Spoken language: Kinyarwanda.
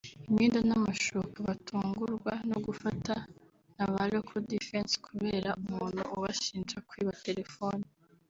imyenda n’amashuka batungurwa no gufatwa n’aba-local defense kubera umuntu ubashinja kwiba terefone